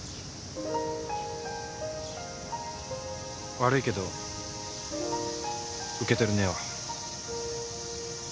悪いけど受け取れねえわ。